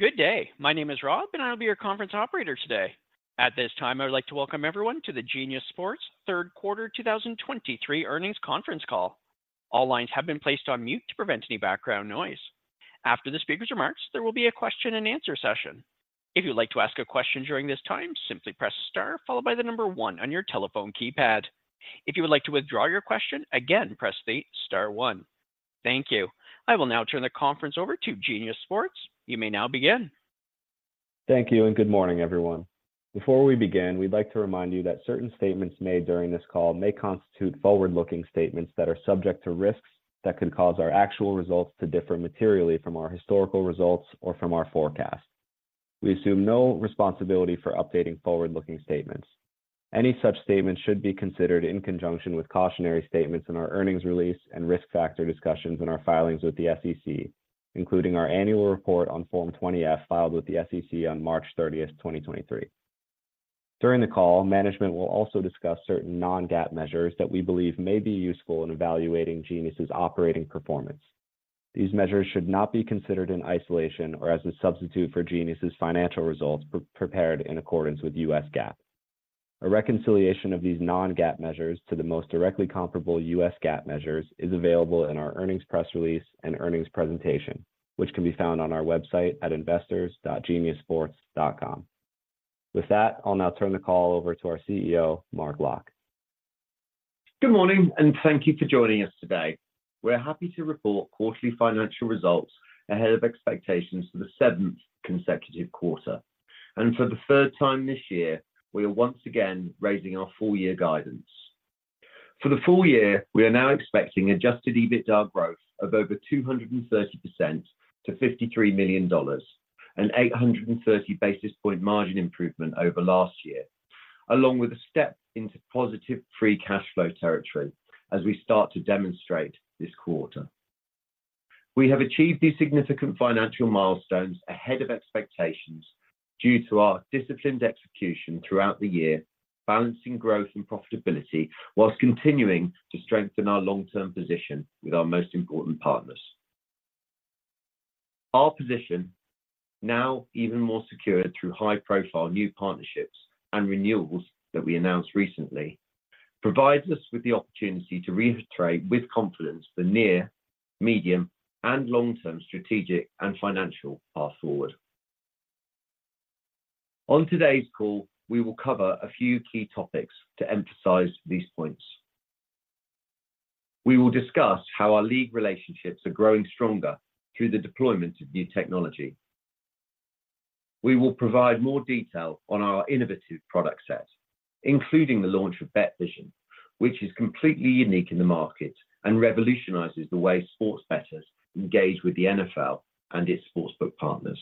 Good day. My name is Rob, and I'll be your conference operator today. At this time, I would like to welcome everyone to the Genius Sports third quarter 2023 earnings conference call. All lines have been placed on mute to prevent any background noise. After the speaker's remarks, there will be a question and answer session. If you'd like to ask a question during this time, simply press star followed by the number one on your telephone keypad. If you would like to withdraw your question, again, press the star one. Thank you. I will now turn the conference over to Genius Sports. You may now begin. Thank you, and good morning, everyone. Before we begin, we'd like to remind you that certain statements made during this call may constitute forward-looking statements that are subject to risks that could cause our actual results to differ materially from our historical results or from our forecast. We assume no responsibility for updating forward-looking statements. Any such statements should be considered in conjunction with cautionary statements in our earnings release and risk factor discussions in our filings with the SEC, including our annual report on Form 20-F, filed with the SEC on March 30, 2023. During the call, management will also discuss certain non-GAAP measures that we believe may be useful in evaluating Genius's operating performance. These measures should not be considered in isolation or as a substitute for Genius's financial results prepared in accordance with U.S. GAAP. A reconciliation of these non-GAAP measures to the most directly comparable U.S. GAAP measures is available in our earnings press release and earnings presentation, which can be found on our website at investors.geniussports.com. With that, I'll now turn the call over to our CEO, Mark Locke. Good morning, and thank you for joining us today. We're happy to report quarterly financial results ahead of expectations for the seventh consecutive quarter. For the third time this year, we are once again raising our full year guidance. For the full year, we are now expecting adjusted EBITDA growth of over 230% to $53 million, an 830 basis points margin improvement over last year, along with a step into positive free cash flow territory as we start to demonstrate this quarter. We have achieved these significant financial milestones ahead of expectations due to our disciplined execution throughout the year, balancing growth and profitability, while continuing to strengthen our long-term position with our most important partners. Our position, now even more secured through high-profile new partnerships and renewals that we announced recently, provides us with the opportunity to reiterate with confidence the near, medium, and long-term strategic and financial path forward. On today's call, we will cover a few key topics to emphasize these points. We will discuss how our league relationships are growing stronger through the deployment of new technology. We will provide more detail on our innovative product set, including the launch of BetVision, which is completely unique in the market and revolutionizes the way sports bettors engage with the NFL and its sportsbook partners.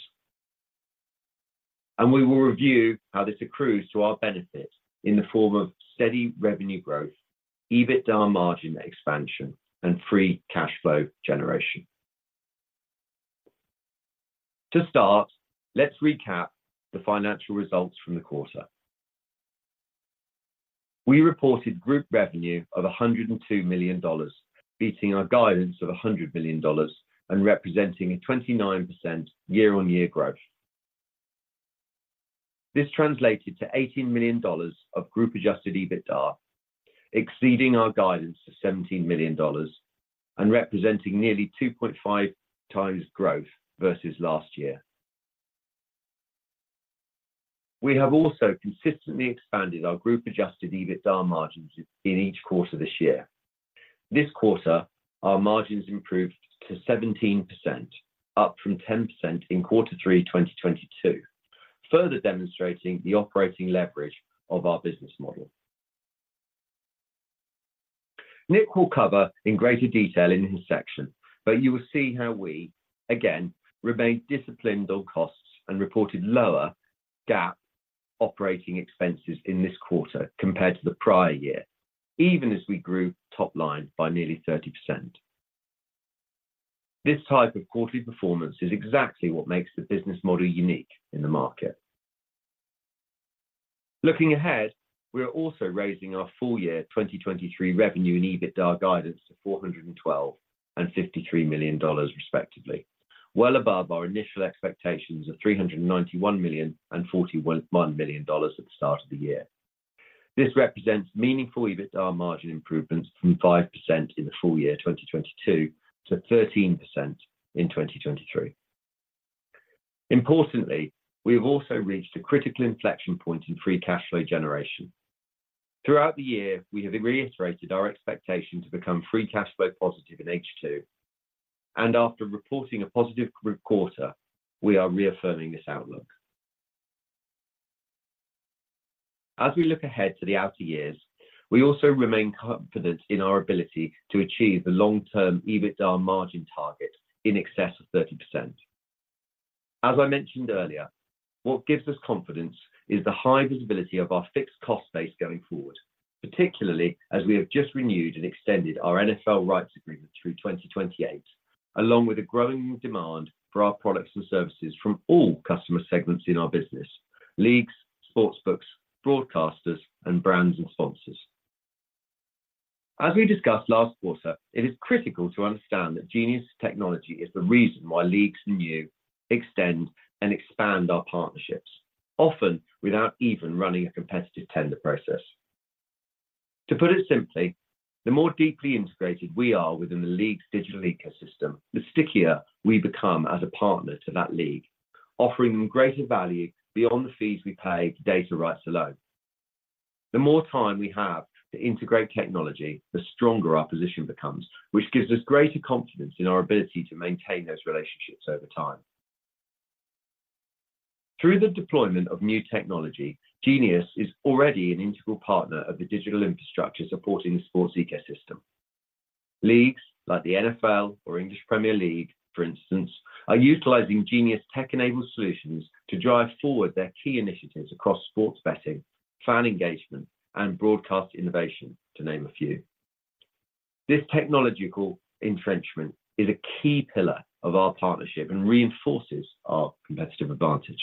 And we will review how this accrues to our benefit in the form of steady revenue growth, EBITDA margin expansion, and free cash flow generation. To start, let's recap the financial results from the quarter. We reported group revenue of $102 million, beating our guidance of $100 million and representing a 29% year-on-year growth. This translated to $18 million of Group Adjusted EBITDA, exceeding our guidance to $17 million and representing nearly 2.5x growth versus last year. We have also consistently expanded our Group Adjusted EBITDA margins in each quarter this year. This quarter, our margins improved to 17%, up from 10% in quarter three 2022, further demonstrating the operating leverage of our business model. Nick will cover in greater detail in his section, but you will see how we, again, remained disciplined on costs and reported lower GAAP operating expenses in this quarter compared to the prior year, even as we grew top line by nearly 30%. This type of quarterly performance is exactly what makes the business model unique in the market. Looking ahead, we are also raising our full year 2023 revenue and EBITDA guidance to $412 million and $53 million, respectively, well above our initial expectations of $391 million and $41 million at the start of the year. This represents meaningful EBITDA margin improvements from 5% in the full year 2022 to 13% in 2023. Importantly, we have also reached a critical inflection point in free cash flow generation. Throughout the year, we have reiterated our expectation to become free cash flow positive in H2, and after reporting a positive group quarter, we are reaffirming this outlook. As we look ahead to the outer years, we also remain confident in our ability to achieve the long-term EBITDA margin target in excess of 30%. As I mentioned earlier, what gives us confidence is the high visibility of our fixed cost base going forward, particularly as we have just renewed and extended our NFL rights agreement through 2028, along with a growing demand for our products and services from all customer segments in our business: leagues, sportsbooks, broadcasters, and brands and sponsors. As we discussed last quarter, it is critical to understand that Genius technology is the reason why leagues now extend and expand our partnerships, often without even running a competitive tender process. To put it simply, the more deeply integrated we are within the league's digital ecosystem, the stickier we become as a partner to that league, offering them greater value beyond the fees we pay for data rights alone. The more time we have to integrate technology, the stronger our position becomes, which gives us greater confidence in our ability to maintain those relationships over time. Through the deployment of new technology, Genius is already an integral partner of the digital infrastructure supporting the sports ecosystem. Leagues like the NFL or English Premier League, for instance, are utilizing Genius tech-enabled solutions to drive forward their key initiatives across sports betting, fan engagement, and broadcast innovation, to name a few. This technological entrenchment is a key pillar of our partnership and reinforces our competitive advantage.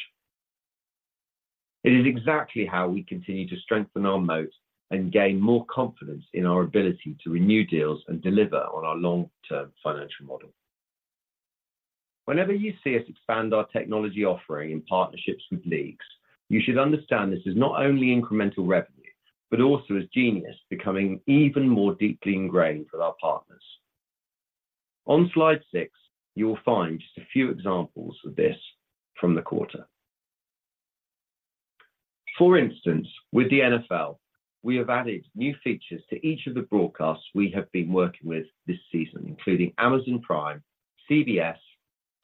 It is exactly how we continue to strengthen our moat and gain more confidence in our ability to renew deals and deliver on our long-term financial model. Whenever you see us expand our technology offering in partnerships with leagues, you should understand this is not only incremental revenue, but also as Genius becoming even more deeply ingrained with our partners. On slide six, you will find just a few examples of this from the quarter. For instance, with the NFL, we have added new features to each of the broadcasts we have been working with this season, including Amazon Prime, CBS,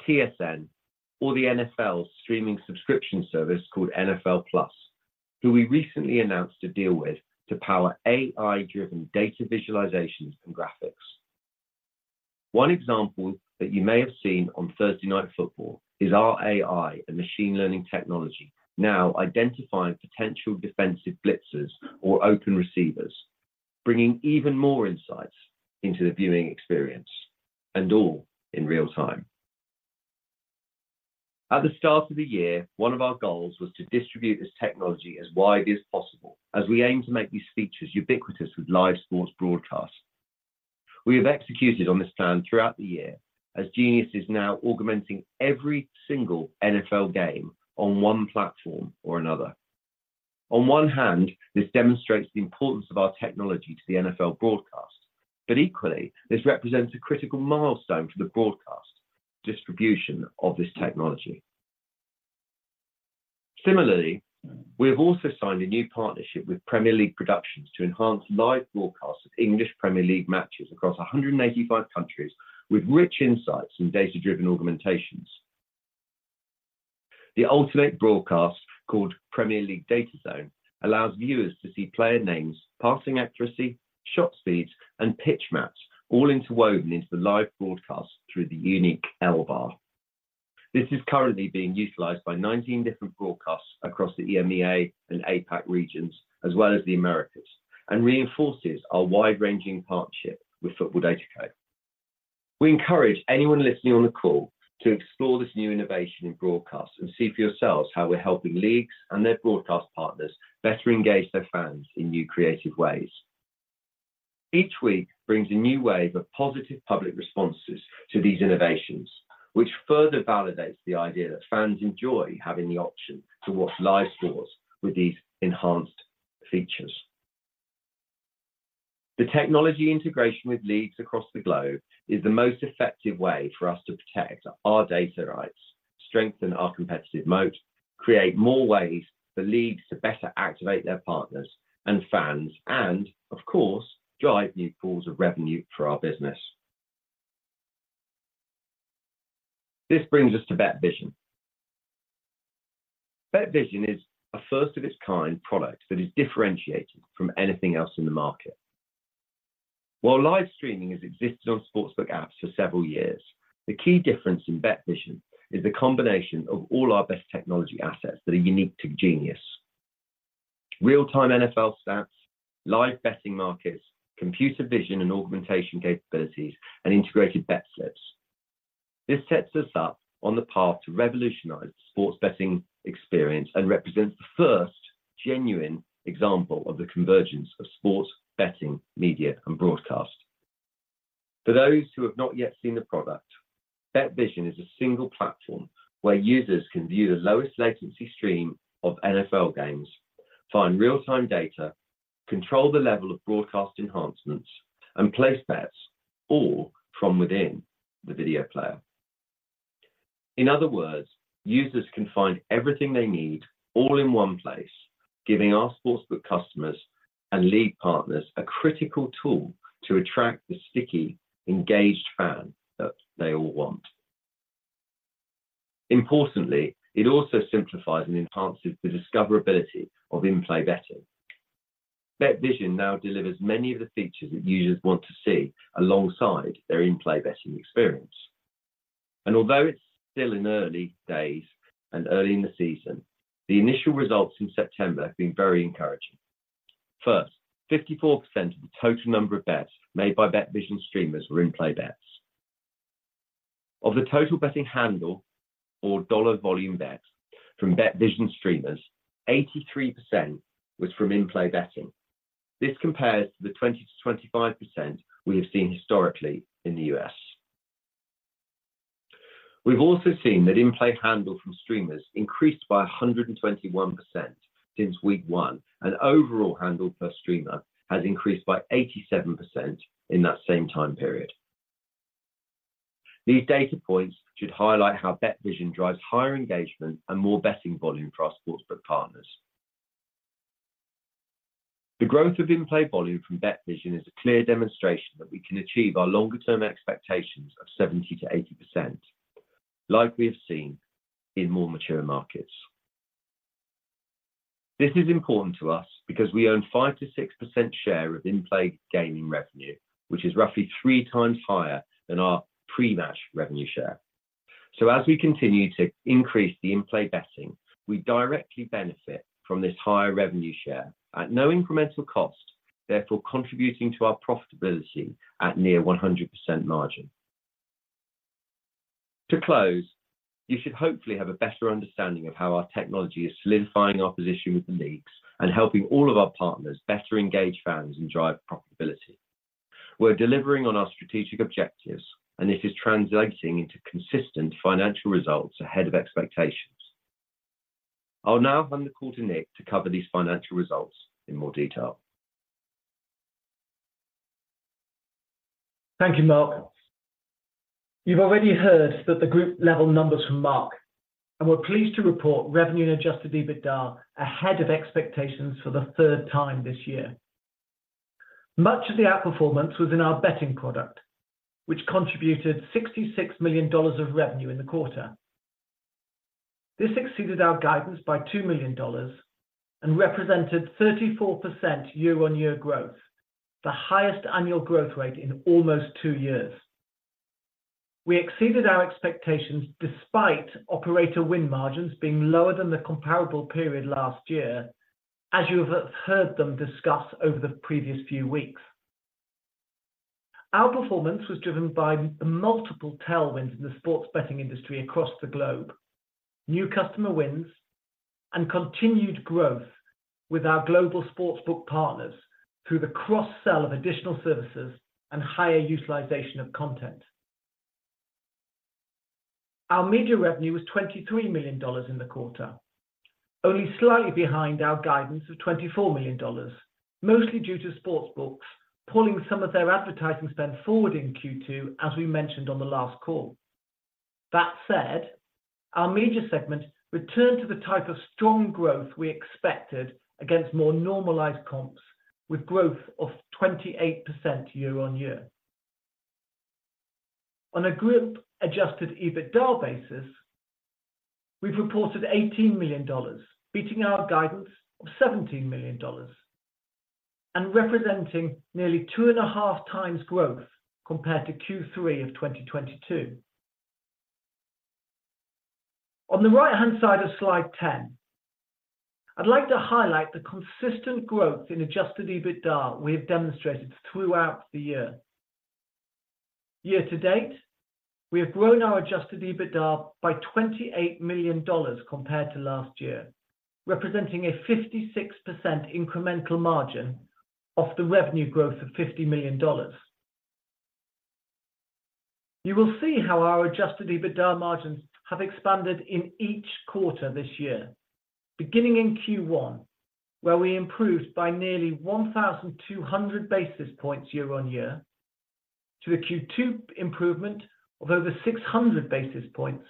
TSN, or the NFL's streaming subscription service called NFL+, who we recently announced a deal with to power AI-driven data visualizations and graphics. One example that you may have seen on Thursday Night Football is our AI and machine learning technology now identifying potential defensive blitzes or open receivers, bringing even more insights into the viewing experience, and all in real time. At the start of the year, one of our goals was to distribute this technology as widely as possible, as we aim to make these features ubiquitous with live sports broadcasts. We have executed on this plan throughout the year, as Genius is now augmenting every single NFL game on one platform or another. On one hand, this demonstrates the importance of our technology to the NFL broadcast, but equally, this represents a critical milestone to the broadcast distribution of this technology. Similarly, we have also signed a new partnership with Premier League Productions to enhance live broadcasts of English Premier League matches across 185 countries with rich insights and data-driven augmentations. The ultimate broadcast, called Premier League Data Zone, allows viewers to see player names, passing accuracy, shot speeds, and pitch maps all interwoven into the live broadcast through the unique L-Bar. This is currently being utilized by 19 different broadcasts across the EMEA and APAC regions, as well as the Americas, and reinforces our wide-ranging partnership with Football DataCo. We encourage anyone listening on the call to explore this new innovation in broadcast and see for yourselves how we're helping leagues and their broadcast partners better engage their fans in new creative ways. Each week brings a new wave of positive public responses to these innovations, which further validates the idea that fans enjoy having the option to watch live sports with these enhanced features. The technology integration with leagues across the globe is the most effective way for us to protect our data rights, strengthen our competitive moat, create more ways for leagues to better activate their partners and fans, and of course, drive new pools of revenue for our business. This brings us to BetVision. BetVision is a first-of-its-kind product that is differentiated from anything else in the market. While live streaming has existed on sportsbook apps for several years, the key difference in BetVision is the combination of all our best technology assets that are unique to Genius: real-time NFL stats, live betting markets, computer vision and augmentation capabilities, and integrated bet slips. This sets us up on the path to revolutionize the sports betting experience and represents the first genuine example of the convergence of sports betting, media, and broadcast. For those who have not yet seen the product, BetVision is a single platform where users can view the lowest latency stream of NFL games, find real-time data, control the level of broadcast enhancements, and place bets all from within the video player. In other words, users can find everything they need all in one place, giving our sportsbook customers and league partners a critical tool to attract the sticky, engaged fan that they all want. Importantly, it also simplifies and enhances the discoverability of in-play betting. BetVision now delivers many of the features that users want to see alongside their in-play betting experience. Although it's still in early days and early in the season, the initial results in September have been very encouraging. First, 54% of the total number of bets made by BetVision streamers were in-play bets. Of the total betting handle or dollar volume bets from BetVision streamers, 83% was from in-play betting. This compares to the 20%-25% we have seen historically in the U.S. We've also seen that in-play handle from streamers increased by 121% since week one, and overall handle per streamer has increased by 87% in that same time period. These data points should highlight how BetVision drives higher engagement and more betting volume for our sportsbook partners. The growth of in-play volume from BetVision is a clear demonstration that we can achieve our longer-term expectations of 70%-80%, like we have seen in more mature markets. This is important to us because we own 5%-6% share of in-play gaming revenue, which is roughly 3x higher than our pre-match revenue share. So as we continue to increase the in-play betting, we directly benefit from this higher revenue share at no incremental cost, therefore contributing to our profitability at near 100% margin. To close, you should hopefully have a better understanding of how our technology is solidifying our position with the leagues and helping all of our partners better engage fans and drive profitability. We're delivering on our strategic objectives, and this is translating into consistent financial results ahead of expectations. I'll now hand the call to Nick to cover these financial results in more detail. Thank you, Mark. You've already heard that the group level numbers from Mark, and we're pleased to report revenue and adjusted EBITDA ahead of expectations for the third time this year. Much of the outperformance was in our betting product, which contributed $66 million of revenue in the quarter. This exceeded our guidance by $2 million and represented 34% year-on-year growth, the highest annual growth rate in almost two years. We exceeded our expectations despite operator win margins being lower than the comparable period last year, as you have heard them discuss over the previous few weeks. Our performance was driven by multiple tailwinds in the sports betting industry across the globe, new customer wins, and continued growth with our global sportsbook partners through the cross-sell of additional services and higher utilization of content. Our media revenue was $23 million in the quarter, only slightly behind our guidance of $24 million, mostly due to sportsbooks pulling some of their advertising spend forward in Q2, as we mentioned on the last call. That said, our media segment returned to the type of strong growth we expected against more normalized comps, with growth of 28% year-on-year. On a Group Adjusted EBITDA basis, we've reported $18 million, beating our guidance of $17 million and representing nearly 2.5x growth compared to Q3 of 2022. On the right-hand side of slide 10, I'd like to highlight the consistent growth in adjusted EBITDA we have demonstrated throughout the year. Year to date, we have grown our adjusted EBITDA by $28 million compared to last year, representing a 56% incremental margin off the revenue growth of $50 million. You will see how our adjusted EBITDA margins have expanded in each quarter this year, beginning in Q1, where we improved by nearly 1,200 basis points year-over-year, to the Q2 improvement of over 600 basis points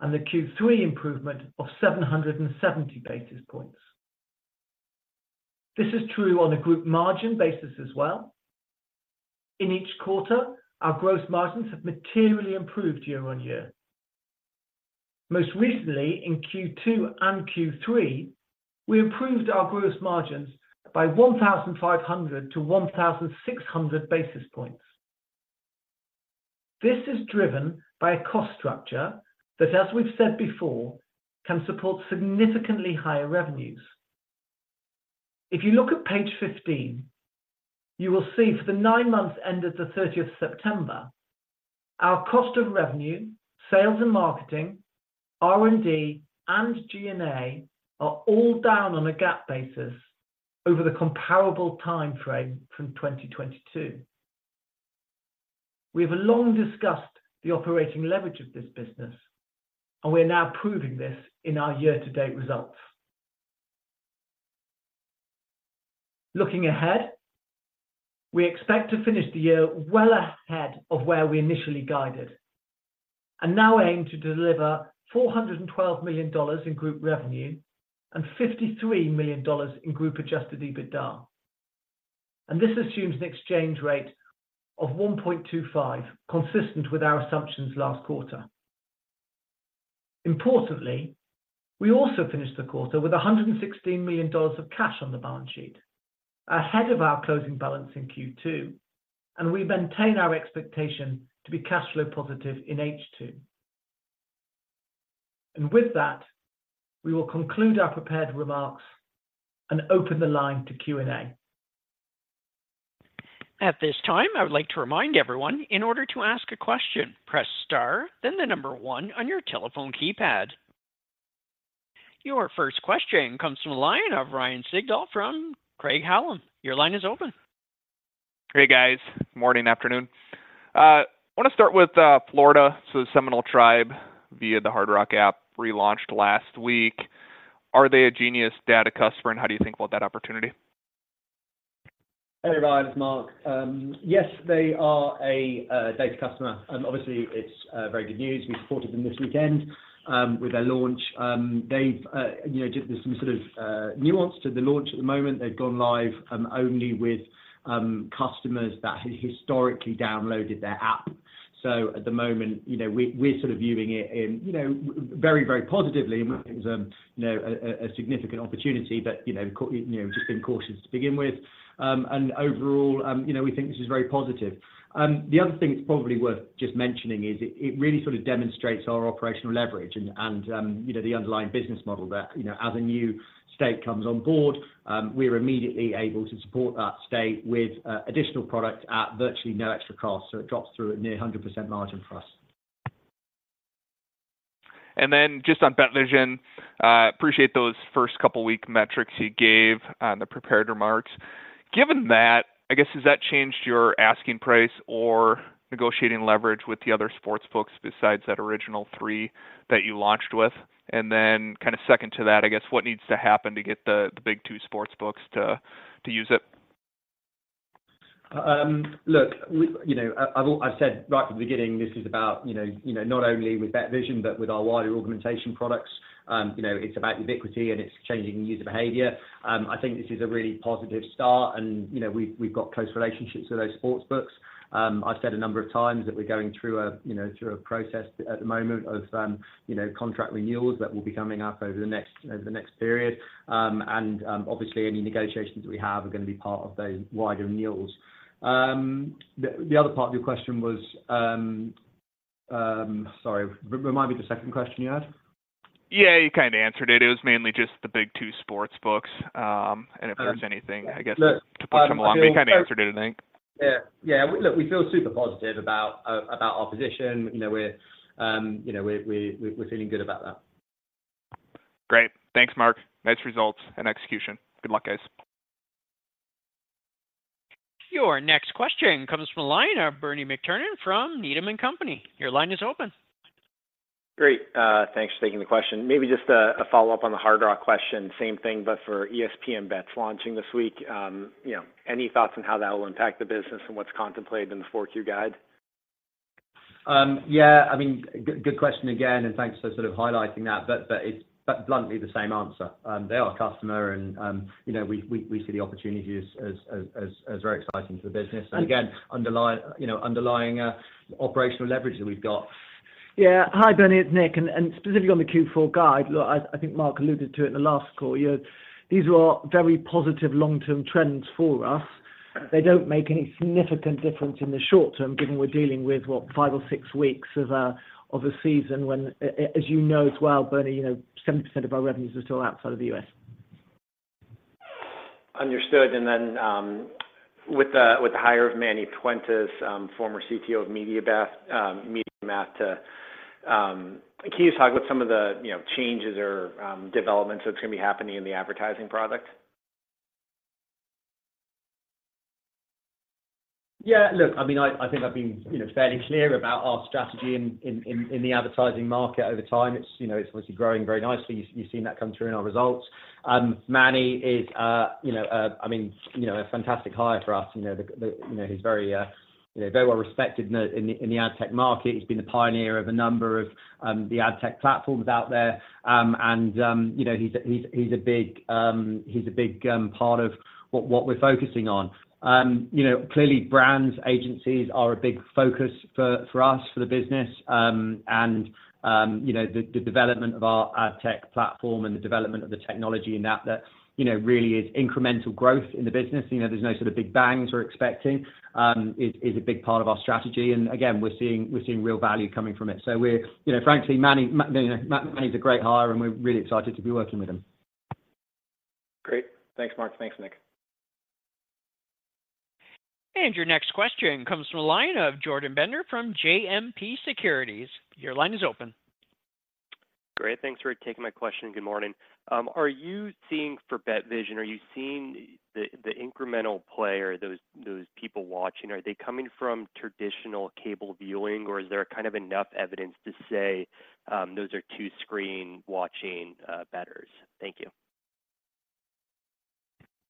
and the Q3 improvement of 770 basis points. This is true on a group margin basis as well. In each quarter, our gross margins have materially improved year-over-year. Most recently, in Q2 and Q3, we improved our gross margins by 1,500-1,600 basis points. This is driven by a cost structure that, as we've said before, can support significantly higher revenues. If you look at page 15, you will see for the nine months ended the September 30th, our cost of revenue, sales and marketing, R&D, and G&A are all down on a GAAP basis over the comparable timeframe from 2022. We have long discussed the operating leverage of this business, and we are now proving this in our year-to-date results. Looking ahead, we expect to finish the year well ahead of where we initially guided and now aim to deliver $412 million in group revenue and $53 million in Group Adjusted EBITDA. And this assumes an exchange rate of 1.25, consistent with our assumptions last quarter. Importantly, we also finished the quarter with $116 million of cash on the balance sheet, ahead of our closing balance in Q2, and we maintain our expectation to be cash flow positive in H2. With that, we will conclude our prepared remarks and open the line to Q&A. At this time, I would like to remind everyone, in order to ask a question, press star, then the number one on your telephone keypad. Your first question comes from the line of Ryan Sigdahl from Craig-Hallum. Your line is open. Hey, guys. Morning, afternoon. I want to start with Florida, so the Seminole Tribe, via the Hard Rock app, relaunched last week. Are they a Genius data customer, and how do you think about that opportunity? Hey, Ryan, it's Mark. Yes, they are a data customer, and obviously it's very good news. We supported them this weekend with their launch. They've, you know, there's some sort of nuance to the launch at the moment. They've gone live only with customers that had historically downloaded their app. So at the moment, you know, we're sort of viewing it in, you know, very, very positively. You know, a significant opportunity, but, you know, just being cautious to begin with. And overall, you know, we think this is very positive. The other thing that's probably worth just mentioning is it, it really sort of demonstrates our operational leverage and, and, you know, the underlying business model that, you know, as a new state comes on board, we're immediately able to support that state with, additional product at virtually no extra cost, so it drops through a near 100% margin for us. Then just on BetVision, appreciate those first couple week metrics you gave on the prepared remarks. Given that, I guess, has that changed your asking price or negotiating leverage with the other sportsbooks besides that original three that you launched with? And then kind of second to that, I guess, what needs to happen to get the big two sportsbooks to use it? Look, you know, I've said right from the beginning, this is about, you know, not only with BetVision, but with our wider augmentation products. You know, it's about ubiquity, and it's changing user behavior. I think this is a really positive start and, you know, we've got close relationships with those sportsbooks. I've said a number of times that we're going through a, you know, through a process at the moment of, you know, contract renewals that will be coming up over the next, over the next period. And, obviously, any negotiations we have are gonna be part of those wider renewals. The other part of your question was, sorry, remind me the second question you had. Yeah, you kind of answered it. It was mainly just the big two sportsbooks, and if there was anything, I guess- Look, um- to push them along, but you kind of answered it, I think. Yeah. Yeah, look, we feel super positive about our position. You know, we're feeling good about that. Great. Thanks, Mark. Nice results and execution. Good luck, guys. Your next question comes from the line of Bernie McTernan from Needham & Company. Your line is open. Great, thanks for taking the question. Maybe just a follow-up on the Hard Rock question. Same thing, but for ESPN Bet launching this week, you know, any thoughts on how that will impact the business and what's contemplated in the Q4 guide? Yeah, I mean, good, good question again, and thanks for sort of highlighting that, but, but it's, but bluntly, the same answer. They are a customer and, you know, we, we, we see the opportunity as, as, as, as, as very exciting for the business. And- And again, underlying, you know, underlying operational leverage that we've got. Yeah. Hi, Bernie, it's Nick. Specifically on the Q4 guide, look, I think Mark alluded to it in the last call. You know, these are very positive long-term trends for us. They don't make any significant difference in the short term, given we're dealing with what, five or six weeks of a season when, as you know as well, Bernie, you know, 70% of our revenues are still outside of the U.S. Understood. And then, with the hire of Manny Puentes, former CTO of MediaMath, to... Can you just talk about some of the, you know, changes or developments that's gonna be happening in the advertising product? Yeah, look, I mean, I think I've been, you know, fairly clear about our strategy in the advertising market over time. It's, you know, it's obviously growing very nicely. You've seen that come through in our results. Manny is, you know, I mean, you know, a fantastic hire for us. You know, the, you know, he's very, you know, very well respected in the ad tech market. He's been a pioneer of a number of the ad tech platforms out there. And, you know, he's a big part of what we're focusing on. You know, clearly, brands, agencies are a big focus for us, for the business. You know, the development of our ad tech platform and the development of the technology in that that you know really is incremental growth in the business. You know, there's no sort of big bangs we're expecting is a big part of our strategy. And again, we're seeing real value coming from it. So we're you know frankly Manny you know Manny's a great hire, and we're really excited to be working with him. Great. Thanks, Mark. Thanks, Nick. Your next question comes from the line of Jordan Bender from JMP Securities. Your line is open. Great. Thanks for taking my question. Good morning. Are you seeing, for BetVision, the incremental play or those people watching, are they coming from traditional cable viewing, or is there kind of enough evidence to say those are two screen watching bettors? Thank you.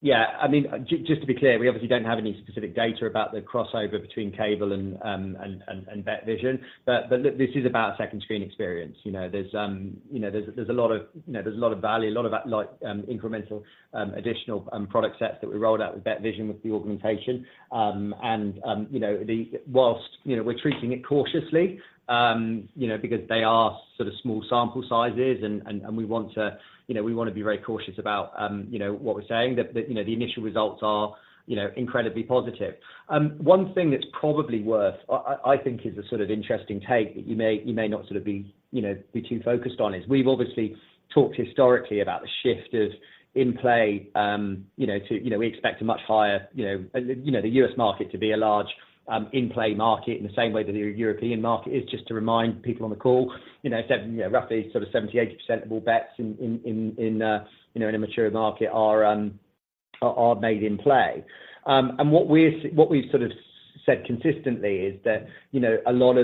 Yeah. I mean, just to be clear, we obviously don't have any specific data about the crossover between cable and BetVision. But look, this is about second screen experience. You know, there's a lot of value, a lot of like incremental additional product sets that we rolled out with BetVision, with the augmentation. And, you know, whilst we're treating it cautiously, you know, because they are sort of small sample sizes and we want to be very cautious about what we're saying. That, you know, the initial results are incredibly positive. One thing that's probably worth, I think is a sort of interesting take, that you may, you may not sort of be, you know, be too focused on is, we've obviously talked historically about the shift of in-play, you know, to. You know, we expect a much higher, you know, you know, the U.S. market to be a large, in-play market in the same way that the European market is. Just to remind people on the call, you know, roughly sort of 70%-80% of all bets in a mature market are made in play. And what we've sort of said consistently is that, you know, a lot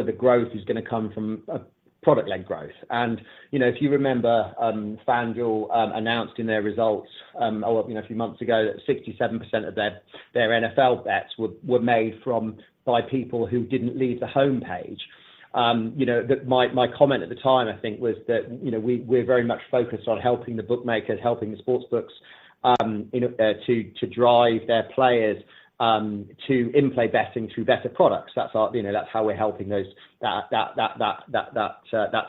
of the growth is gonna come from product-led growth. You know, if you remember, FanDuel announced in their results, or, you know, a few months ago, that 67% of their NFL bets were made by people who didn't leave the homepage. You know, that my comment at the time, I think, was that, you know, we're very much focused on helping the bookmakers, helping the sportsbooks, you know, to drive their players to in-play betting through better products. That's our, you know, that's how we're helping that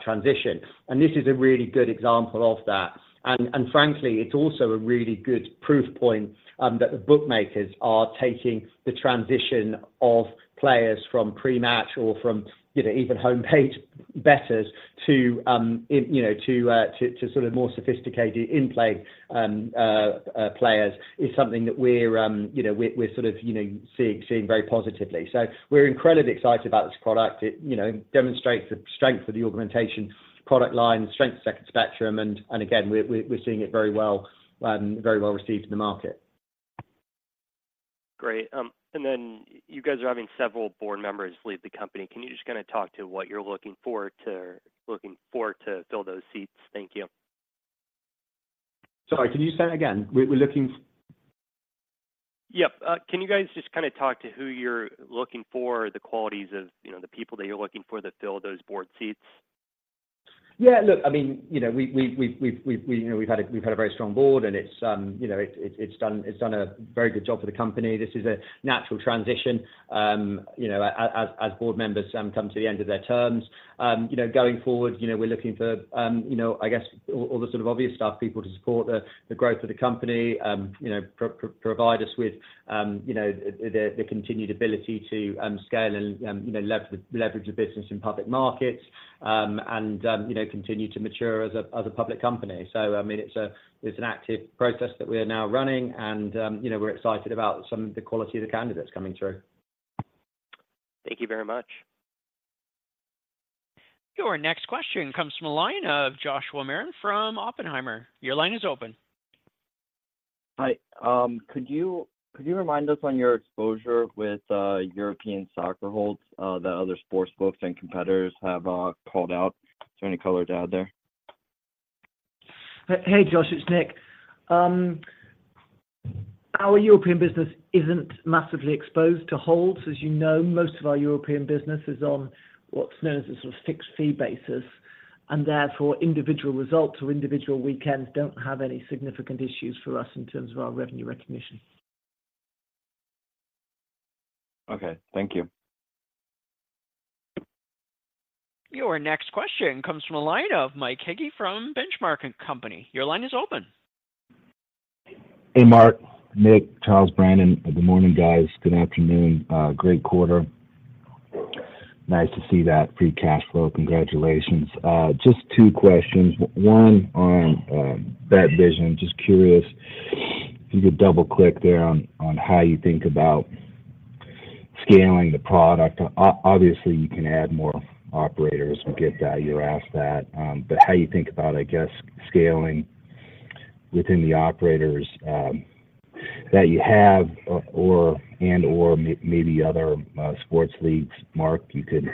transition. And this is a really good example of that. Frankly, it's also a really good proof point that the bookmakers are taking the transition of players from pre-match or from, you know, even homepage bettors to, you know, to sort of more sophisticated in-play players is something that we're, you know, we're sort of, you know, seeing very positively. So we're incredibly excited about this product. It, you know, demonstrates the strength of the augmentation product line, strength of Second Spectrum, and again, we're seeing it very well, very well received in the market. Great. And then you guys are having several board members leave the company. Can you just kinda talk to what you're looking for to fill those seats? Thank you. Sorry, can you say that again? We're looking- Yep. Can you guys just kind of talk to who you're looking for, the qualities of, you know, the people that you're looking for to fill those board seats? Yeah, look, I mean, you know, we've had a very strong board and it's, you know, it's done a very good job for the company. This is a natural transition, you know, as board members come to the end of their terms. You know, going forward, you know, we're looking for, you know, I guess, all the sort of obvious stuff, people to support the growth of the company, you know, provide us with, you know, the continued ability to scale and, you know, leverage the business in public markets, and, you know, continue to mature as a public company. I mean, it's an active process that we are now running and, you know, we're excited about some of the quality of the candidates coming through. Thank you very much. Your next question comes from the line of Joshua Marin from Oppenheimer. Your line is open. Hi, could you, could you remind us on your exposure with European soccer holds that other sportsbooks and competitors have called out? Is there any color to add there? Hey, Josh, it's Nick. Our European business isn't massively exposed to holds. As you know, most of our European business is on what's known as a sort of fixed fee basis, and therefore, individual results or individual weekends don't have any significant issues for us in terms of our revenue recognition. Okay, thank you. Your next question comes from the line of Mike Hickey from Benchmark Company. Your line is open. Hey, Mark, Nick, Charles, Brandon. Good morning, guys. Good afternoon. Great quarter. Nice to see that free cash flow. Congratulations. Just two questions. One, on BetVision. Just curious if you could double click there on how you think about scaling the product. Obviously, you can add more operators, we get that. You were asked that. But how you think about, I guess, scaling within the operators that you have or and/or maybe other sports leagues, Mark, you could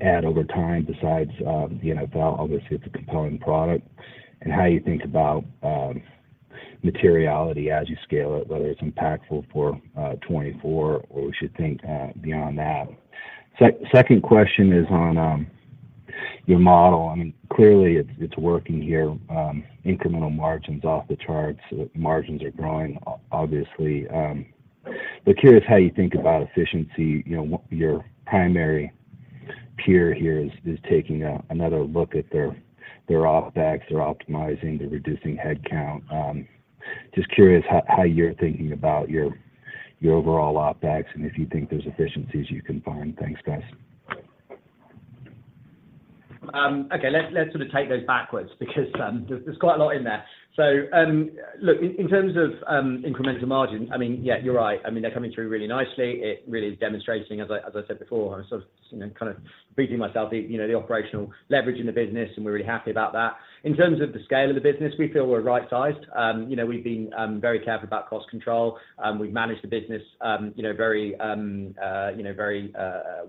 add over time besides the NFL? Obviously, it's a compelling product. And how you think about materiality as you scale it, whether it's impactful for 2024, or we should think beyond that. Second question is on your model. I mean, clearly, it's, it's working here, incremental margins off the charts, margins are growing obviously, but curious how you think about efficiency. You know, your primary peer here is, is taking a, another look at their, their OpEx. They're optimizing, they're reducing headcount. Just curious how, how you're thinking about your, your overall OpEx, and if you think there's efficiencies you can find. Thanks, guys. Okay, let's sort of take those backwards because there's quite a lot in there. So, look, in terms of incremental margins, I mean, yeah, you're right. I mean, they're coming through really nicely. It really is demonstrating, as I said before, I'm sort of, you know, kind of beating myself the, you know, the operational leverage in the business, and we're really happy about that. In terms of the scale of the business, we feel we're right-sized. You know, we've been very careful about cost control, and we've managed the business, you know, very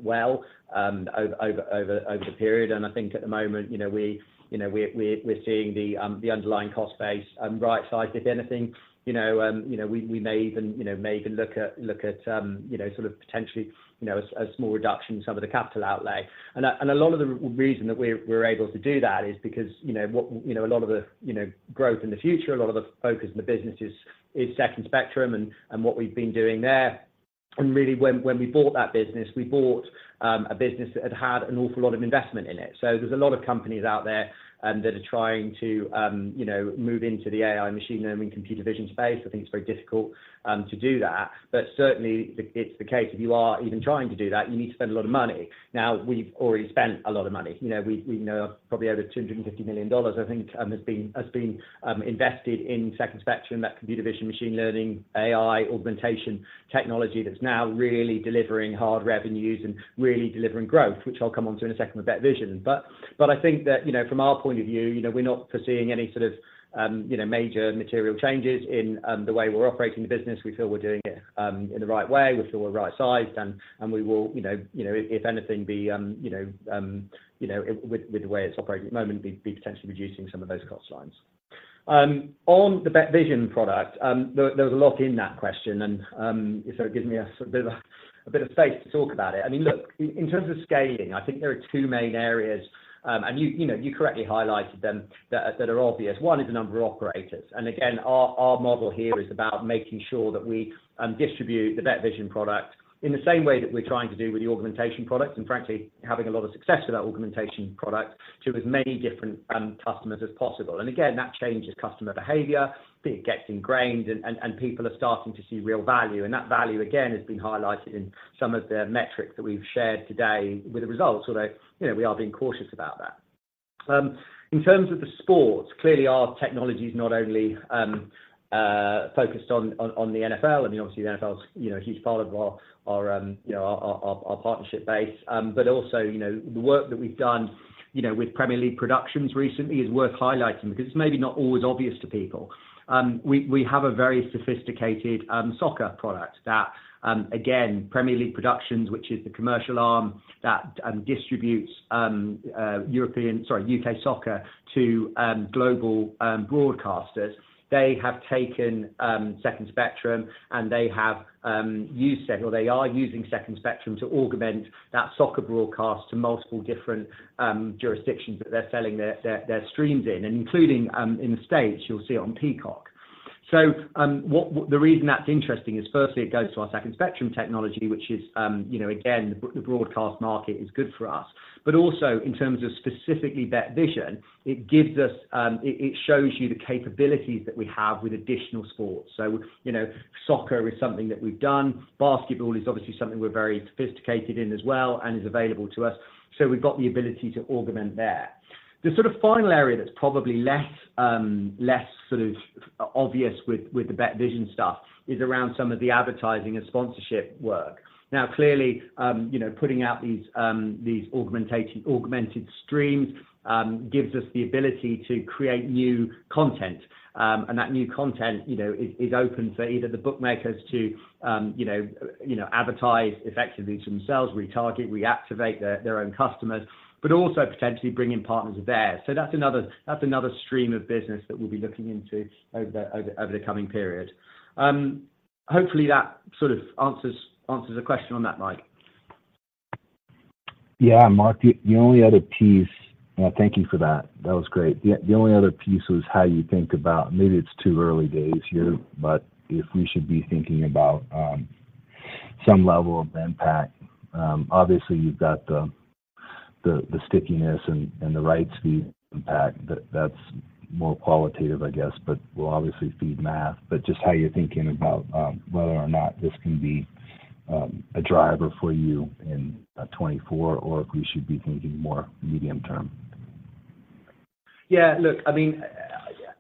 well over the period. And I think at the moment, you know, we, you know, we're seeing the underlying cost base right-sized. If anything, you know, you know, we, we may even, you know, may even look at, look at, you know, sort of potentially, you know, a, a small reduction in some of the capital outlay. And a, and a lot of the reason that we're, we're able to do that is because, you know, what, you know, a lot of the, you know, growth in the future, a lot of the focus in the business is, is Second Spectrum and, and what we've been doing there. And really, when, when we bought that business, we bought, a business that had had an awful lot of investment in it. So there's a lot of companies out there, that are trying to, you know, move into the AI, machine learning, computer vision space. I think it's very difficult, to do that, but certainly, it's the case. If you are even trying to do that, you need to spend a lot of money. Now, we've already spent a lot of money. You know, we know probably over $250 million, I think, has been invested in Second Spectrum, that computer vision, machine learning, AI, augmentation technology that's now really delivering hard revenues and really delivering growth, which I'll come onto in a second with BetVision. But I think that, you know, from our point of view, you know, we're not foreseeing any sort of, you know, major material changes in the way we're operating the business. We feel we're doing it in the right way. We feel we're right-sized, and we will, you know, you know, if anything, be, you know, with the way it's operating at the moment, be potentially reducing some of those cost lines. On the BetVision product, there was a lot in that question, and so it gives me a bit of space to talk about it. I mean, look, in terms of scaling, I think there are two main areas, and you know, you correctly highlighted them that are obvious. One is the number of operators, and again, our model here is about making sure that we distribute the BetVision product in the same way that we're trying to do with the augmentation product. And frankly, having a lot of success with that augmentation product to as many different customers as possible. And again, that changes customer behavior, it gets ingrained and people are starting to see real value. And that value, again, has been highlighted in some of the metrics that we've shared today with the results, although, you know, we are being cautious about that. In terms of the sports, clearly our technology is not only focused on the NFL. I mean, obviously, the NFL's, you know, a huge part of our partnership base. But also, you know, the work that we've done, you know, with Premier League Productions recently is worth highlighting, because it's maybe not always obvious to people. We have a very sophisticated soccer product that, again, Premier League Productions, which is the commercial arm that distributes UK soccer to global broadcasters. They have taken Second Spectrum, and they have used Second Spectrum, or they are using Second Spectrum to augment that soccer broadcast to multiple different jurisdictions that they're selling their streams in, and including in the States, you'll see on Peacock. So, what the reason that's interesting is firstly, it goes to our Second Spectrum technology, which is, you know, again, the broadcast market is good for us. But also in terms of specifically BetVision, it gives us, it shows you the capabilities that we have with additional sports. So, you know, soccer is something that we've done. Basketball is obviously something we're very sophisticated in as well, and is available to us. So we've got the ability to augment there. The sort of final area that's probably less, less sort of obvious with, with the BetVision stuff is around some of the advertising and sponsorship work. Now, clearly, you know, putting out these, these augmentation, augmented streams, gives us the ability to create new content. And that new content, you know, is open for either the bookmakers to, you know, you know, advertise effectively to themselves, retarget, reactivate their, their own customers, but also potentially bring in partners of theirs. So that's another, that's another stream of business that we'll be looking into over the, over the coming period. Hopefully that sort of answers, answers the question on that, Mike. Yeah, Mark, the only other piece—and thank you for that. That was great. The only other piece was how you think about, maybe it's too early days here, but if we should be thinking about some level of impact, obviously you've got the stickiness and the right speed impact, that's more qualitative, I guess, but will obviously feed math. But just how you're thinking about whether or not this can be a driver for you in 2024, or if we should be thinking more medium term. Yeah, look, I mean,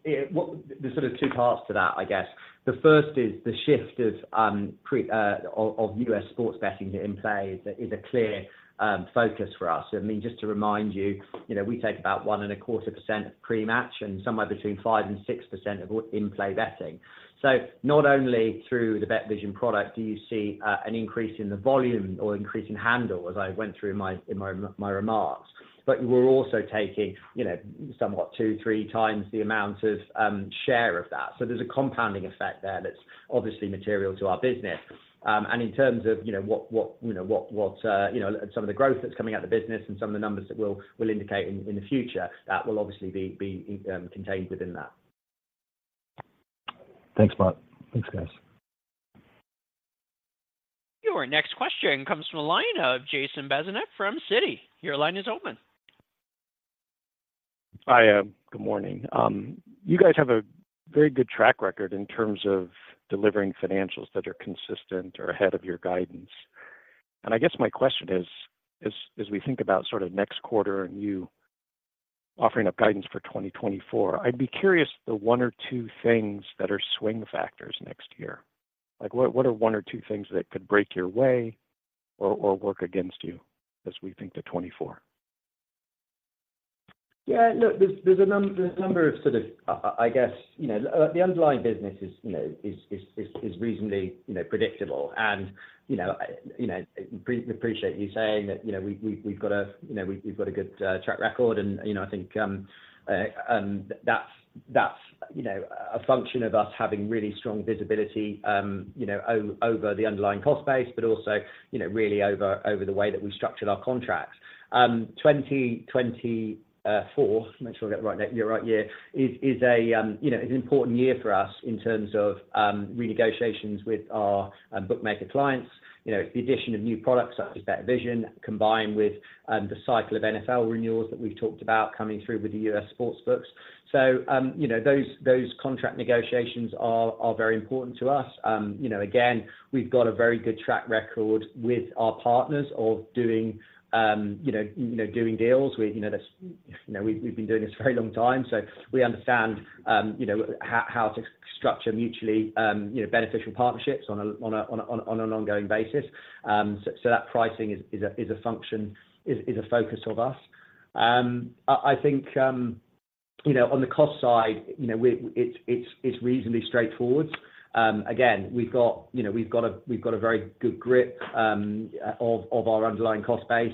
there's sort of two parts to that, I guess. The first is the shift of pre-match US sports betting to in-play is a clear focus for us. I mean, just to remind you, you know, we take about 1.25% of pre-match and somewhere between 5%-6% of all in-play betting. So not only through the BetVision product do you see an increase in the volume or increase in handle, as I went through in my remarks, but we're also taking, you know, somewhat 2x-3x the amount of share of that. So there's a compounding effect there that's obviously material to our business. In terms of, you know, some of the growth that's coming out of the business and some of the numbers that we'll indicate in the future, that will obviously be contained within that. Thanks, Mark. Thanks, guys. Your next question comes from the line of Jason Bazinet from Citi. Your line is open. Hi, good morning. You guys have a very good track record in terms of delivering financials that are consistent or ahead of your guidance. I guess my question is, as we think about sort of next quarter and you offering up guidance for 2024, I'd be curious the one or two things that are swing factors next year. Like, what are one or two things that could break your way or work against you as we think to 2024? Yeah, look, there's a number of sort of, I guess, you know, the underlying business is, you know, reasonably predictable. And, you know, I appreciate you saying that, you know, we've got a good track record. And, you know, I think that's a function of us having really strong visibility, you know, over the underlying cost base, but also, you know, really over the way that we structured our contracts. 2024, make sure I get the right year, right year, is an important year for us in terms of renegotiations with our bookmaker clients. You know, the addition of new products, such as BetVision, combined with the cycle of NFL renewals that we've talked about coming through with the U.S. sportsbooks. So, you know, those contract negotiations are very important to us. You know, again, we've got a very good track record with our partners of doing, you know, doing deals. We, you know, that's, you know, we've been doing this a very long time, so we understand, you know, how to structure mutually, you know, beneficial partnerships on an ongoing basis. So, that pricing is a function, is a focus of us. I think, you know, on the cost side, you know, we—it's reasonably straightforward. Again, we've got, you know, a very good grip of our underlying cost base.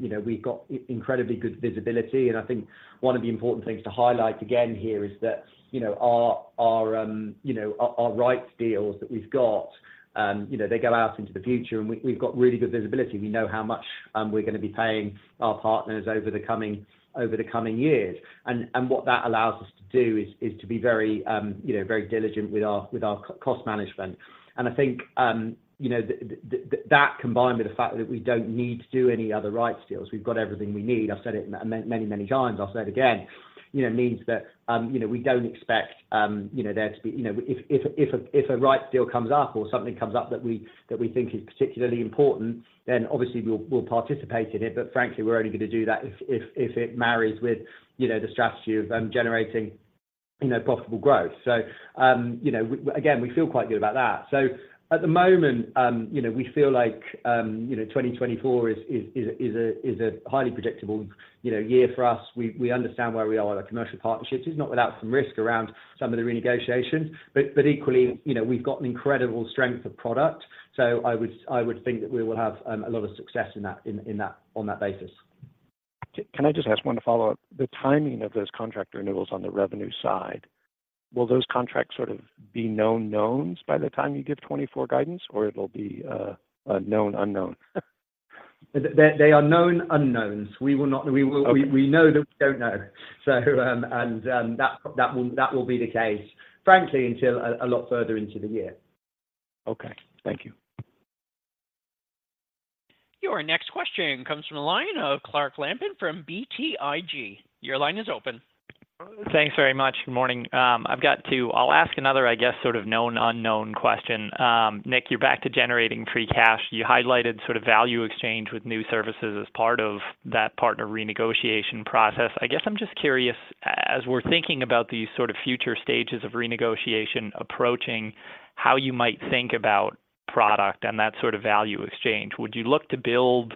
You know, we've got incredibly good visibility, and I think one of the important things to highlight again here is that, you know, our rights deals that we've got, you know, they go out into the future, and we've got really good visibility. We know how much we're gonna be paying our partners over the coming years. And what that allows us to do is to be very, you know, very diligent with our cost management. And I think, you know, that combined with the fact that we don't need to do any other rights deals, we've got everything we need. I've said it many, many times, I'll say it again. You know, means that, you know, we don't expect, you know, there to be... You know, if a rights deal comes up or something comes up that we, that we think is particularly important, then obviously we'll, we'll participate in it. But frankly, we're only gonna do that if, if, if it marries with, you know, the strategy of, generating, you know, profitable growth. So, you know, again, we feel quite good about that. So at the moment, you know, we feel like, you know, 2024 is, is, is a, is a, is a highly predictable, you know, year for us. We, we understand where we are with our commercial partnerships. It's not without some risk around some of the renegotiations, but equally, you know, we've got an incredible strength of product. So I would think that we will have a lot of success in that, on that basis. Can I just ask one follow-up? The timing of those contract renewals on the revenue side, will those contracts sort of be known knowns by the time you give 2024 guidance, or it'll be a known unknown? They are known unknowns. We will not- Okay. We will know that we don't know. So that will be the case, frankly, until a lot further into the year. Okay. Thank you. Your next question comes from the line of Clark Lampen from BTIG. Your line is open. Thanks very much. Good morning. I've got to-- I'll ask another, I guess, sort of known unknown question. Nick, you're back to generating free cash. You highlighted sort of value exchange with new services as part of that partner renegotiation process. I guess I'm just curious, as we're thinking about these sort of future stages of renegotiation approaching, how you might think about product and that sort of value exchange. Would you look to build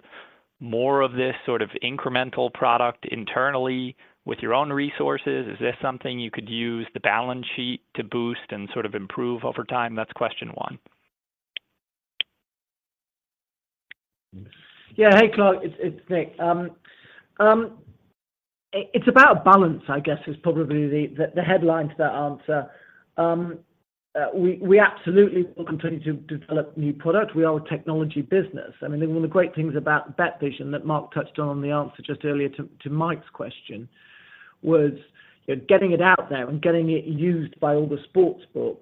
more of this sort of incremental product internally with your own resources? Is this something you could use the balance sheet to boost and sort of improve over time? That's question one. Yeah. Hey, Clark, it's Nick. It's about balance, I guess, is probably the headline to that answer. We absolutely will continue to develop new product. We are a technology business. I mean, one of the great things about BetVision that Mark touched on in the answer just earlier to Mike's question was, you know, getting it out there and getting it used by all the sportsbooks,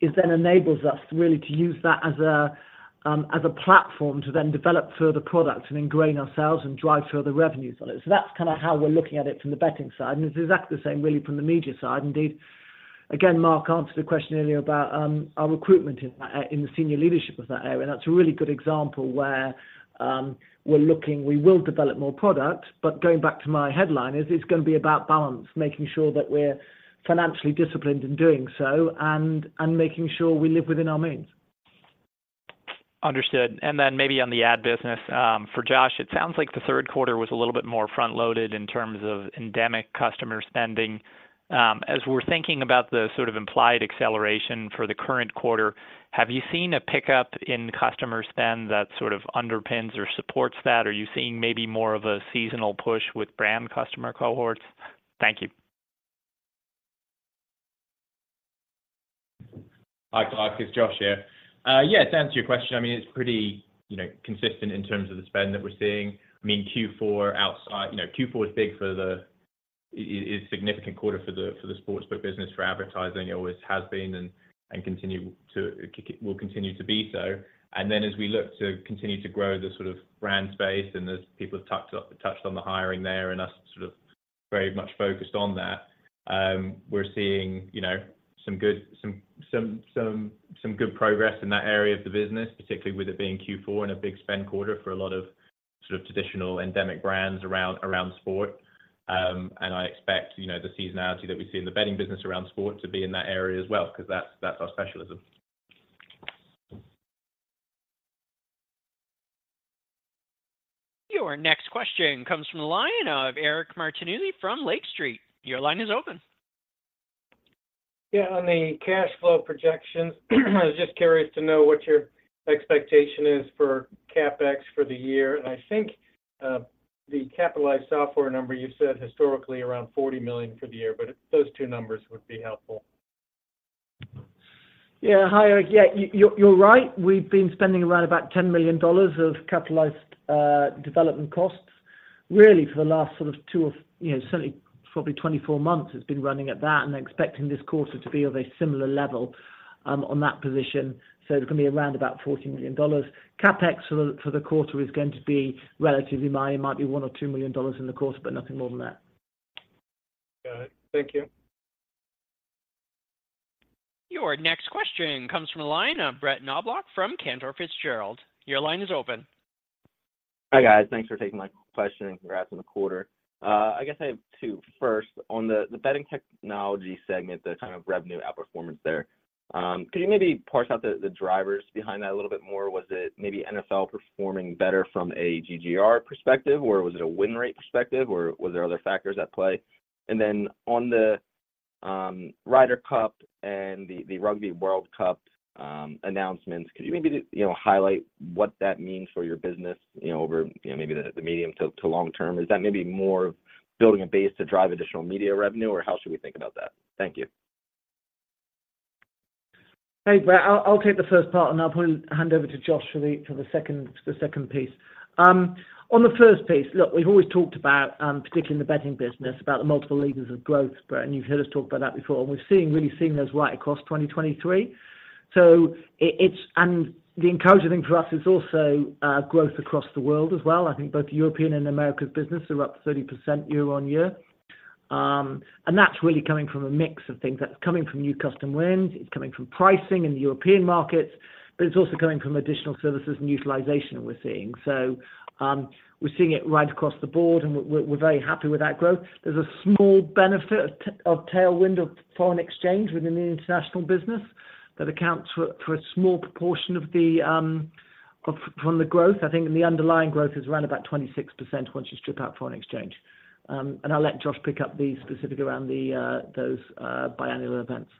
is then enables us really to use that as a platform to then develop further products and ingrain ourselves and drive further revenues on it. So that's kind of how we're looking at it from the betting side, and it's exactly the same, really, from the media side. Indeed, again, Mark answered a question earlier about our recruitment in the senior leadership of that area. That's a really good example where we will develop more product, but going back to my headline, it's gonna be about balance, making sure that we're financially disciplined in doing so and making sure we live within our means. Understood. And then maybe on the ad business, for Josh, it sounds like the third quarter was a little bit more front-loaded in terms of endemic customer spending. As we're thinking about the sort of implied acceleration for the current quarter, have you seen a pickup in customer spend that sort of underpins or supports that? Or are you seeing maybe more of a seasonal push with brand customer cohorts? Thank you. Hi, Clark, it's Josh here. Yeah, to answer your question, I mean, it's pretty, you know, consistent in terms of the spend that we're seeing. I mean, Q4. You know, Q4 is big for the, is significant quarter for the sportsbook business, for advertising. It always has been and will continue to be so. And then as we look to continue to grow the sort of brand space, and as people have touched on the hiring there and us sort of very much focused on that, we're seeing, you know, some good progress in that area of the business, particularly with it being Q4 and a big spend quarter for a lot of sort of traditional endemic brands around sport. I expect, you know, the seasonality that we see in the betting business around sport to be in that area as well, because that's our specialism. Your next question comes from the line of Eric Martinuzzi from Lake Street. Your line is open. Yeah, on the cash flow projections, I was just curious to know what your expectation is for CapEx for the year. I think the capitalized software number you've said historically around $40 million for the year, but those two numbers would be helpful. Yeah. Hi, Eric. Yeah, you're right. We've been spending around about $10 million of capitalized development costs, really for the last sort of two or... You know, certainly, probably 24 months, it's been running at that, and expecting this quarter to be of a similar level on that position, so it's gonna be around about $40 million. CapEx for the quarter is going to be relatively minor. It might be $1 million or $2 million in the quarter, but nothing more than that. Got it. Thank you. Your next question comes from the line of Brett Knoblauch from Cantor Fitzgerald. Your line is open. Hi, guys. Thanks for taking my question, and congrats on the quarter. I guess I have two. First, on the betting technology segment, the kind of revenue outperformance there. Could you maybe parse out the, the drivers behind that a little bit more? Was it maybe NFL performing better from a GGR perspective, or was it a win rate perspective, or was there other factors at play? And then on the, Ryder Cup and the, the Rugby World Cup announcements, could you maybe, you know, highlight what that means for your business, you know, over, you know, maybe the, the medium to, to long term? Is that maybe more of building a base to drive additional media revenue, or how should we think about that? Thank you. Hey, Brett. I'll take the first part, and I'll probably hand over to Josh for the second piece. On the first piece, look, we've always talked about, particularly in the betting business, about the multiple levers of growth, Brett, and you've heard us talk about that before, and we're really seeing those right across 2023. So it's. And the encouraging thing for us is also growth across the world as well. I think both European and Americas business are up 30% year-on-year. And that's really coming from a mix of things. That's coming from new customer wins, it's coming from pricing in the European markets, but it's also coming from additional services and utilization we're seeing. So, we're seeing it right across the board, and we're very happy with that growth. There's a small benefit of tailwind of foreign exchange within the international business that accounts for, for a small proportion of the, from the growth. I think the underlying growth is around about 26% once you strip out foreign exchange. And I'll let Josh pick up the specific around the, those, biannual events.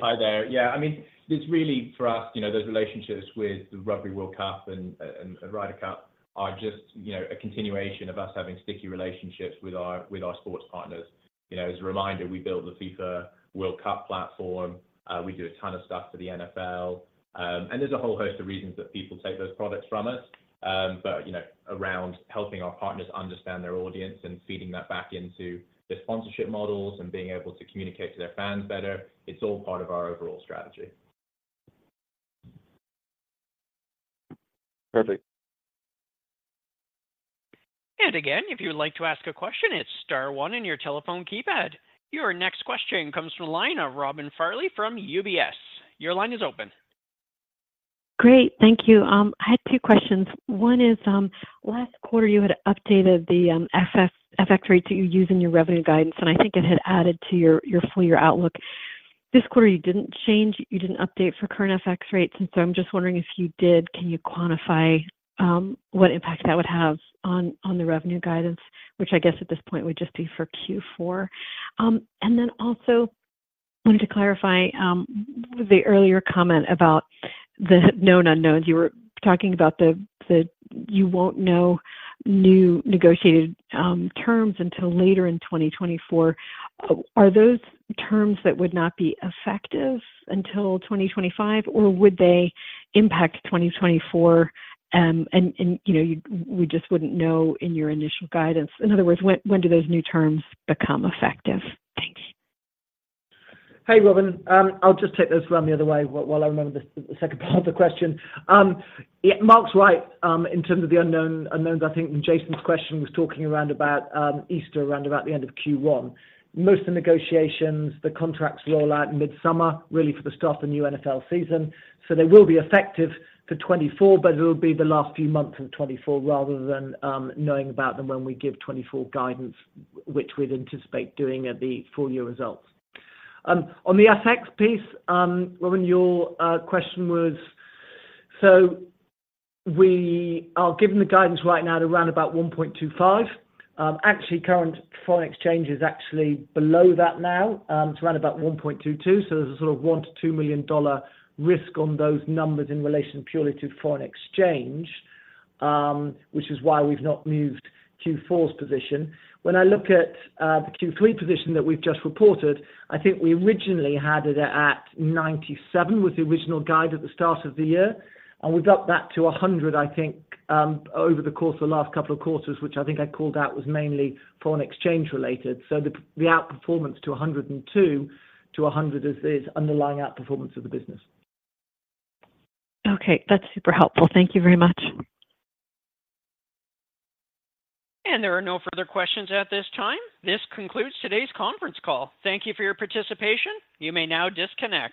Hi there. Yeah, I mean, it's really for us, you know, those relationships with the Rugby World Cup and Ryder Cup are just, you know, a continuation of us having sticky relationships with our, with our sports partners. You know, as a reminder, we built the FIFA World Cup platform. We do a ton of stuff for the NFL. And there's a whole host of reasons that people take those products from us, but, you know, around helping our partners understand their audience and feeding that back into the sponsorship models and being able to communicate to their fans better. It's all part of our overall strategy. Perfect. And again, if you would like to ask a question, it's star one in your telephone keypad. Your next question comes from the line of Robin Farley from UBS. Your line is open. Great. Thank you. I had two questions. One is, last quarter, you had updated the, FX, FX rates that you use in your revenue guidance, and I think it had added to your, your full year outlook. This quarter, you didn't change, you didn't update for current FX rates, and so I'm just wondering if you did, can you quantify, what impact that would have on, on the revenue guidance, which I guess at this point would just be for Q4? And then also wanted to clarify, the earlier comment about the known unknowns. You were talking about the, the... You won't know new negotiated, terms until later in 2024. Are those terms that would not be effective until 2025, or would they impact 2024, and, and, you know, you, we just wouldn't know in your initial guidance? In other words, when do those new terms become effective? Thank you. Hey, Robin. I'll just take this one the other way, while I remember the second part of the question. Yeah, Mark's right, in terms of the unknown unknowns. I think Jason's question was talking around about Easter, around about the end of Q1. Most of the negotiations, the contracts roll out midsummer, really for the start of the new NFL season, so they will be effective for 2024, but it will be the last few months of 2024 rather than knowing about them when we give 2024 guidance, which we'd anticipate doing at the full year results. On the FX piece, Robin, your question was? So we are giving the guidance right now to around about 1.25. Actually, current foreign exchange is actually below that now, it's around about 1.22, so there's a sort of $1 million-$2 million risk on those numbers in relation purely to foreign exchange, which is why we've not moved Q4's position. When I look at the Q3 position that we've just reported, I think we originally had it at 97, was the original guide at the start of the year, and we've upped that to 100, I think, over the course of the last couple of quarters, which I think I called out, was mainly foreign exchange related. So the outperformance to 102 to 100 is underlying outperformance of the business. Okay. That's super helpful. Thank you very much. There are no further questions at this time. This concludes today's conference call. Thank you for your participation. You may now disconnect.